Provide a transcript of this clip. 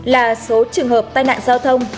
hai mươi sáu là số trường hợp tai nạn giao thông